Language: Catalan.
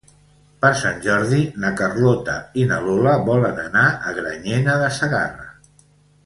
Per Sant Jordi na Carlota i na Lola volen anar a Granyena de Segarra.